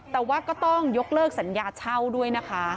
แต่ว่าก็ต้องยกเลิกสัญญาเช่าด้วยนะคะ